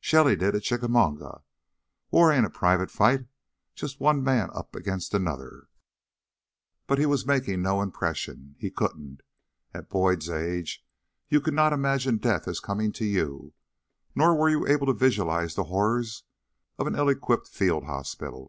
Shelly did at Chickamauga. War ain't a private fight, just one man up against another " But he was making no impression; he couldn't. At Boyd's age you could not imagine death as coming to you; nor were you able to visualize the horrors of an ill equipped field hospital.